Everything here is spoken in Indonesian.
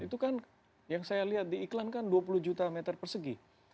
itu kan yang saya lihat diiklankan dua puluh juta meter persegi